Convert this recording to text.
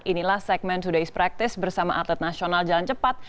inilah segmen today's practice bersama atlet nasional jalan cepat